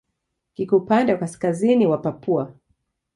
Kiko upande wa kaskazini wa Papua.